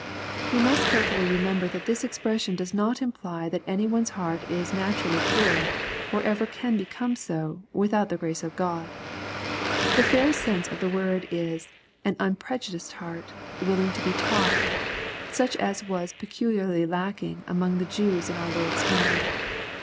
] We must carefully remember that this expression does not imply that any one's heart is naturally " good, or ever can become so, without the grace of Gtod. The feirest sense of the words is, 'an unprejudiced heart, willing to be taught," such as was peculiarly lackihg among the Jews in our Lord's time.